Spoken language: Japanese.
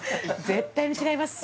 絶対に違います